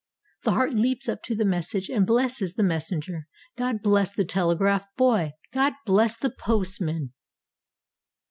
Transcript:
The heart leaps up to the message and blesses the messenger. God bless the telegraph boy! God bless the postman!